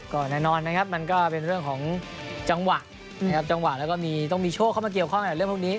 ก็แน่นอนนะครับมันก็เป็นเรื่องของจังหวะนะครับจังหวะแล้วก็ต้องมีโชคเข้ามาเกี่ยวข้องกับเรื่องพวกนี้